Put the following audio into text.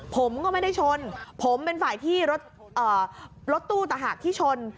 ผมก็ไม่ได้ชนผมเป็นฝ่ายที่รถตู้ต่างหากที่ชน